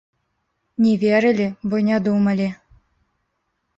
Не верылі, бо не думалі.